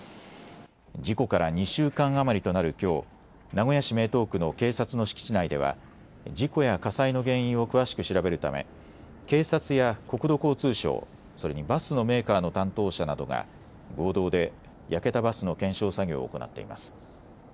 事故から２週間余りとなるきょう名古屋市名東区の警察の敷地内では事故や火災の原因を詳しく調べるため警察や国土交通省、それにバスのメーカーの担当者などが合同で焼けたバスの検証作業を行っています。